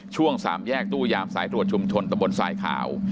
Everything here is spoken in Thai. ช่วง๓แยกตู้ยามสายตรวจชุมชนตะบนสายขาว